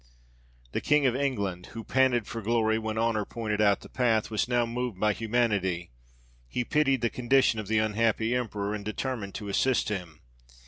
The King of England, who panted for glory when honour pointed out the path, was now moved by humanity : he pitied the condition of the unhappy Emperor, and determined to assist him.